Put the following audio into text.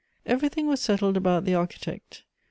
Everything was settled about the Architect.